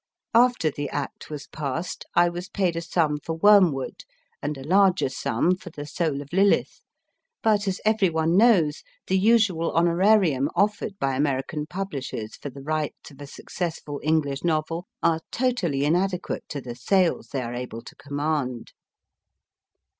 After the Act was passed, I was paid a sum for Wormwood, and a larger sum for The Soul of Lilith/ but, as everyone knows, the usual honorarium offered by American publishers for the rights of a successful English novel are totally inadequate to the sales they are able to command.